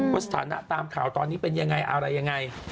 ว่าสถานะตามข่าวตอนนี้เป็นอย่างไรอะไรอย่างไร